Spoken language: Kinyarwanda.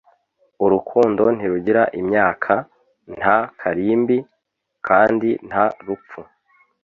urukundo ntirugira imyaka, nta karimbi; kandi nta rupfu